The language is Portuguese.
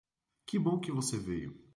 Que bom que você veio.